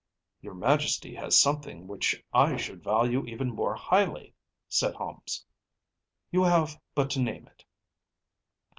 “Your Majesty has something which I should value even more highly,‚ÄĚ said Holmes. “You have but to name it.